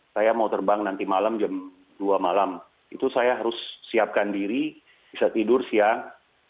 saya mau terbang nanti malam jam dua malam itu saya harus siapkan diri bisa tidur siang